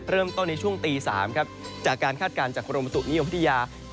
เริ่มต้นในช่วงตี๓ครับจากการคาดการณ์จากกรมประตุนิยมพัทยา